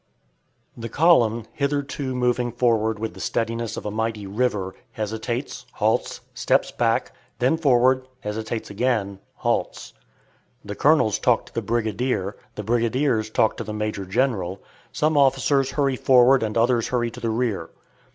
The column, hitherto moving forward with the steadiness of a mighty river, hesitates, halts, steps back, then forward, hesitates again, halts. The colonels talk to the brigadier, the brigadiers talk to the major general, some officers hurry forward and others hurry to the rear.